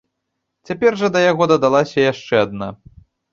Цяпер жа да яго дадалася яшчэ адна.